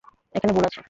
এখানে ভুল আছে।